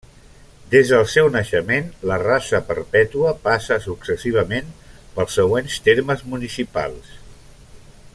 Des del seu naixement, la Rasa Perpètua passa successivament pels següents termes municipals.